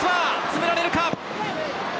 詰められるか？